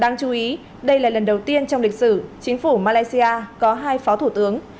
đáng chú ý đây là lần đầu tiên trong lịch sử chính phủ malaysia có hai phó thủ tướng